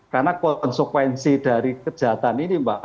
karena konsekuensi dari kejahatan ini pak